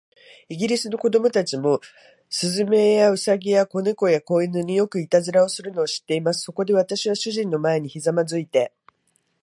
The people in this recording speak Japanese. イギリスの子供たちも、雀や、兎や、小猫や、小犬に、よくいたずらをするのを知っています。そこで、私は主人の前にひざまずいて